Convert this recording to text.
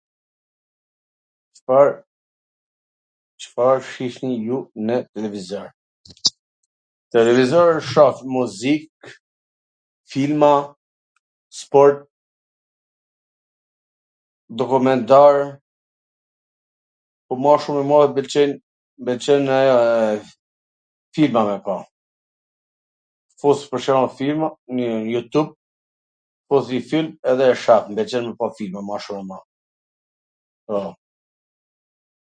Cfar Cfar shihni ju nw televizor? Nw televizor shof muzik, filma, sport, dokumentar, po ma shum e ma m pwlqejn m pwlqenw filma me pa, fus pwr shembull filma nw jutub, fus njw film edhe e shoh, mw pwlqen mw shum filma me pa